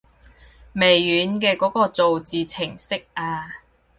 微軟嘅嗰個造字程式啊